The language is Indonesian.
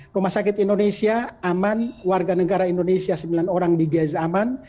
rumah sakit indonesia aman warga negara indonesia sembilan orang di gaza aman